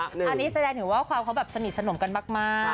อันนี้แสดงว่าสนิทสนมกันมาก